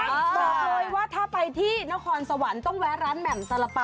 บอกเลยว่าถ้าไปที่นครสวรรค์ต้องแวะร้านแหม่มสารปะ